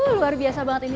luar biasa banget ini